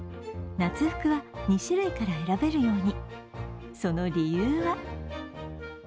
夏服は２種類から選べるように。